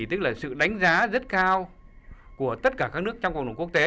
tức là sự đánh giá rất cao của tất cả các nước trong cộng đồng quốc tế